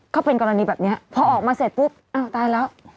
ก็เป็นกรณีแบบนี้พอออกมาเสร็จปุ๊บอ้าวตายแล้ว